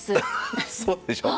そうでしょ。